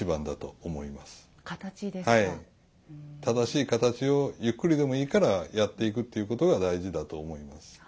正しい形をゆっくりでもいいからやっていくっていうことが大事だと思います。